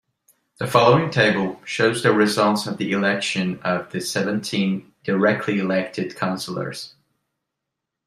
The following table shows the results of the election of the seventeen directly-elected councillors.